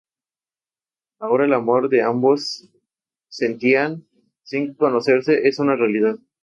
Ahora el amor que ambos sentían sin conocerse, es una realidad.